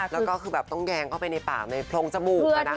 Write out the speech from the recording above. แล้วก็คือแบบต้องแยงเข้าไปในปากในพรงจบูกก่อนนะคะ